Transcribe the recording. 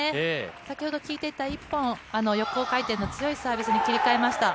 先ほど効いていた一本、横回転の強いサービスに切り替えました。